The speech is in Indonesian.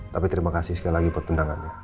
tapi terima kasih sekali lagi buat undangannya